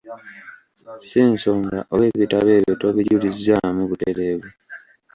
Ssi nsonga oba ebitabo ebyo tobijulizzaamu butereevu.